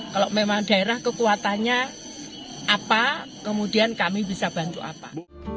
kalau memang daerah kekuatannya apa kemudian kami bisa bantu apa